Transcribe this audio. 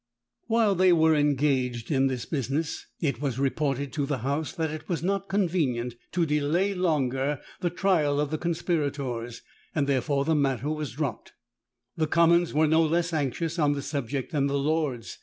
While they were engaged in this business, it was reported to the house, that it was not convenient to delay longer the trial of the conspirators, and therefore the matter dropped. The commons were no less anxious on the subject than the lords.